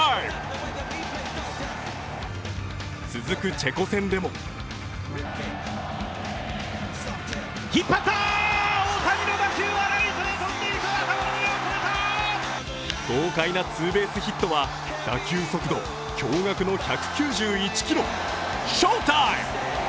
続くチェコ戦でも豪快なツーベースヒットは打球速度驚がくの１９１キロ。